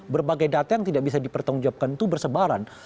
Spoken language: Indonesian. berbagai data yang tidak bisa dipertanggungjawabkan itu bersebaran